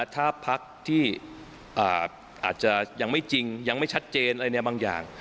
ถ้าพักที่อาจจะยังไม่จริงยังไม่ชัดเจนอะไรบางอย่าง